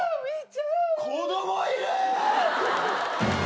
子供いる！？